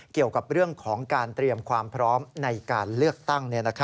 เกี่ยวกับเรื่องของการเตรียมความพร้อมในการเลือกตั้ง